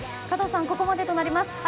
加藤さん、ここまでとなります。